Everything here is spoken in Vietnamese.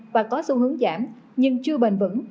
và có xu hướng giảm nhưng chưa bền vững